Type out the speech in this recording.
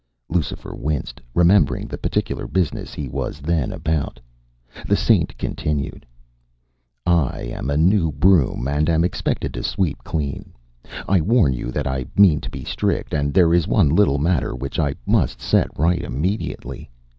” Lucifer winced, remembering the particular business he was then about. The Saint continued: “I am a new broom, and am expected to sweep clean. I warn you that I mean to be strict, and there is one little matter which I must set right immediately.